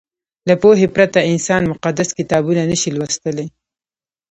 له پوهې پرته انسان مقدس کتابونه نه شي لوستلی.